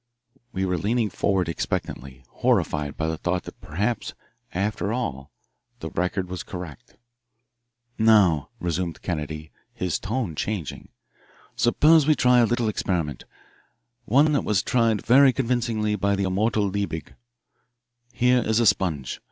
We were leaning forward expectantly, horrified by the thought that perhaps, after all, the Record was correct. "Now," resumed Kennedy, his tone changing, "suppose we try a little experiment one that was tried very convincingly by the immortal Liebig. Here is a sponge.